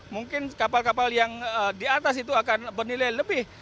mungkin kapal kapal yang di atas itu akan bernilai lebih